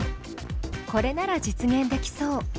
これなら実現できそう。